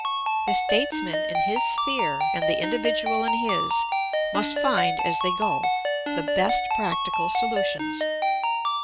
The statesman in his sphere and the individual in his must find, as they go, the best practical solutions.